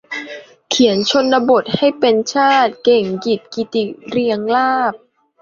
เขียนชนบทให้เป็นชาติ - เก่งกิจ กิติเรียงลาภ